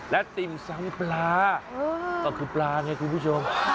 และติ่มซ้ำปลาก็คือปลาไงคุณผู้ชม